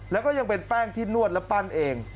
แล้วก็ยังเป็นแป้งที่นวดและปั้นเอง